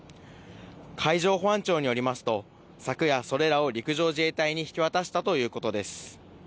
海上保安庁によりますと、昨夜、それらを陸上自衛隊に引き渡したということです。